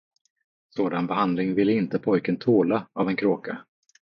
Sådan behandling ville inte pojken tåla av en kråka.